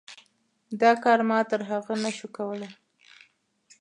دا کار ما تر هغه نه شو کولی.